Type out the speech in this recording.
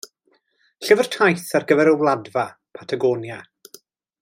Llyfr taith ar gyfer y Wladfa, Patagonia.